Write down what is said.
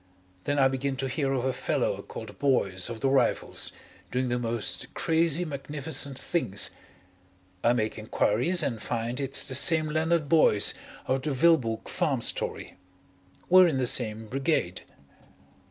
Then I begin to hear of a fellow called Boyce of the Rifles doing the most crazy magnificent things. I make enquiries and find it's the same Leonard Boyce of the Vilboek Farm story. We're in the same Brigade.